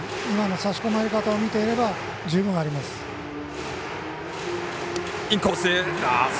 差し込まれ方を見ていれば十分にあります。